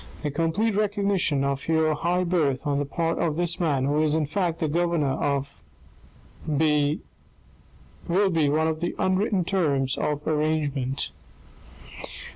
The complete recognition of your high birth on the part of this man, who is in fact the governor of B will be one of the unwritten terms of the arrangement."